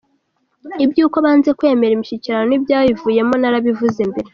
Iby’uko banze kwemera imishyikirano n’ibyayivuyemo narabivuze mbere.